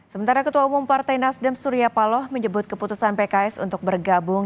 sementara ketua umum partai nasdem surya paloh menyebut keputusan pks untuk bergabung